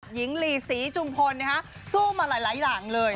หญิงลีศรีจุมพลสู้มาหลายอย่างเลย